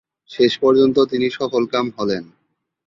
শেষ পর্যন্ত তিনি সফলকাম হলেন।